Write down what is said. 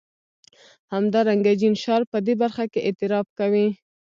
همدارنګه جین شارپ په دې برخه کې اعتراف کوي.